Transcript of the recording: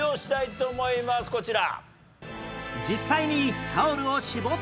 こちら。